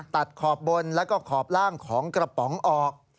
ขอบบนแล้วก็ขอบล่างของกระป๋องออก